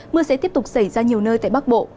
mưa sẽ tiếp tục xảy ra nhiều nơi tại bắc bộ